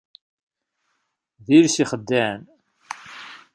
D iles ixeddɛen!